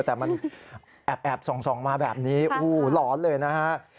แต่มันแอบส่องมาแบบนี้โอ้โหหลอนเลยนะฮะ